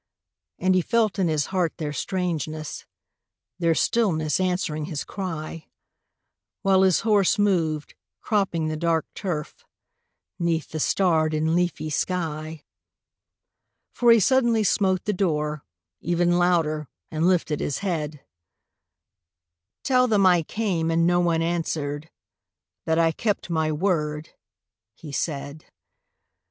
And he felt in his heart their strangeness, Their stillness answering his cry, While his horse moved, cropping the dark turf, 'Neath the starred and leafy sky; For he suddenly smote the door, even Louder, and lifted his head: "Tell them I came, and no one answered, That I kept my word," he said.